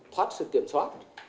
thoát sự kiểm soát